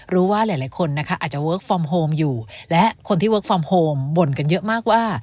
รู้ว่าหลายคนนะคะอาจจะเวิร์คฟอร์มโฮมอยู่และคนที่เวิร์คฟอร์มโฮมบ่นกันเยอะมากว่า